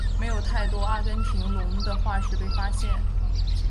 没有太多阿根廷龙的化石被发现。